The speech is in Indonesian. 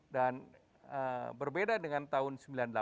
dan berbeda dengan tahun sembilan puluh delapan